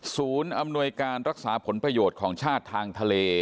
อำนวยการรักษาผลประโยชน์ของชาติทางทะเล